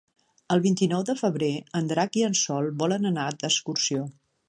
El vint-i-nou de febrer en Drac i en Sol volen anar d'excursió.